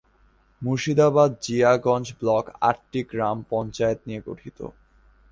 Murshidabad-Jiaganj block আটটি গ্রাম পঞ্চায়েত নিয়ে গঠিত।